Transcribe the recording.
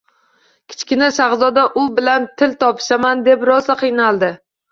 Kichkina shahzoda u bilan til topishaman deb rosa qiynaldi.